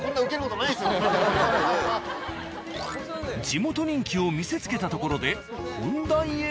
地元人気を見せつけたところで本題へ。